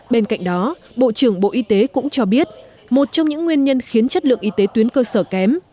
bên cạnh đó bộ trưởng bộ y tế cũng cho biết một trong những nguyên nhân khiến chất lượng y tế tuyến cơ sở kém